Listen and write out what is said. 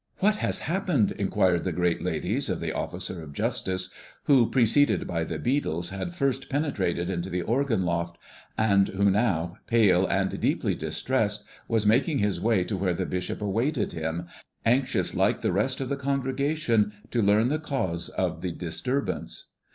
"What has happened?" inquired the great ladies of the officer of justice, who, preceded by the beadles, had first penetrated into the organ loft, and who now, pale and deeply distressed, was making his way to where the bishop awaited him, anxious like the rest of the congregation to learn the cause of the disturbance.